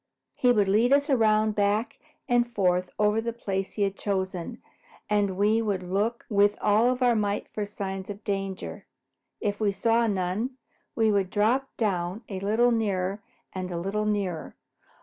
He would lead us around back and forth over the place he had chosen, and we would all look with all our might for signs of danger. If we saw none, we would drop down a little nearer and a little nearer.